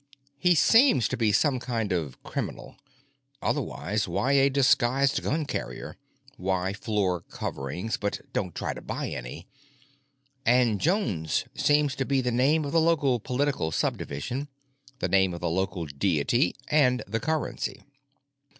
He seems to be some kind of criminal. Otherwise why a disguised gun carrier? Why floor coverings 'but don't try to buy any'? And Jones seems to be the name of the local political subdivision, the name of the local deity and the currency.